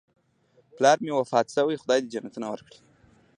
پلار مې وفات شوی، خدای دې جنتونه ورکړي